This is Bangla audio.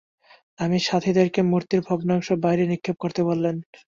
এবং সাথিদেরকে মূর্তির ভগ্নাংশ বাইরে নিক্ষেপ করতে বলেন।